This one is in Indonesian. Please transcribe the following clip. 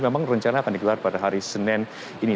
memang rencana akan digelar pada hari senin ini